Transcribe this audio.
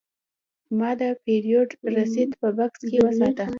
ما د پیرود رسید په بکس کې وساته.